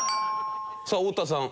さあ太田さん